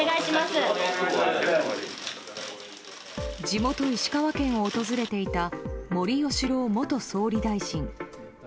地元・石川県を訪れていた森喜朗元総理大臣。